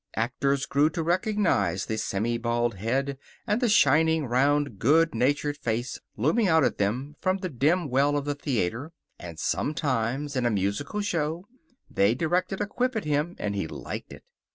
Actors grew to recognize the semibald head and the shining, round, good natured face looming out at them from the dim well of the theater, and sometimes, in a musical show, they directed a quip at him, and he liked it.